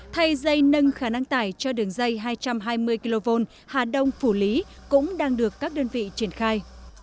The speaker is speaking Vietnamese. thay dây nâng khả năng tải cho đường dây hai trăm hai mươi kv hà đông phủ lý cũng đang được các đơn vị triển khai